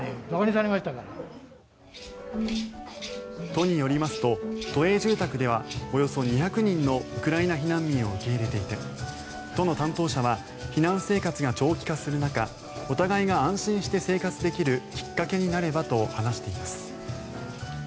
都によりますと都営住宅ではおよそ２００人のウクライナ避難民を受け入れていて都の担当者は避難生活が長期化する中お互いが安心して生活できるきっかけになればと話しています。